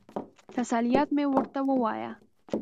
تسلیت مې ورته ووایه.